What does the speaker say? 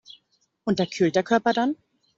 Unterkühlt der Körper dann?